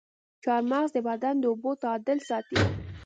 چارمغز د بدن د اوبو تعادل ساتي.